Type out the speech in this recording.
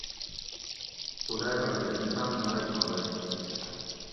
خدائ پاۤکہ انساۤن مرگ ما بچ کِیر